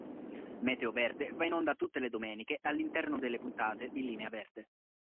Meteo Verde va in onda tutte le domeniche all'interno delle puntate di Linea Verde.